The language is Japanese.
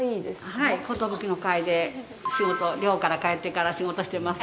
はい、湖島婦貴の会で漁から帰ってから仕事してます。